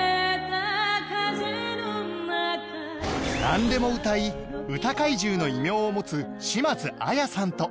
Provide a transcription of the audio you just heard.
なんでも歌い歌怪獣の異名を持つ島津亜矢さんと